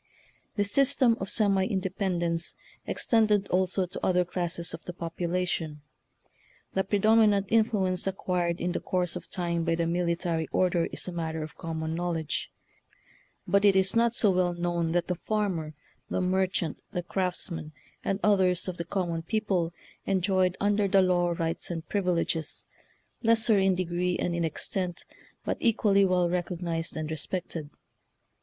This system of semi independence ex tended also to other classes of the popula tion. The predominant influence acquired in the course of time by the military order is a matter of common knowledge. But it is not so well known that the farmer, the merchant, the craftsman, and others of the common people enjoyed un der the law rights and privileges, lesser in degree and in extent, but equally well recognized and respected.